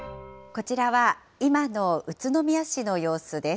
こちらは今の宇都宮市の様子です。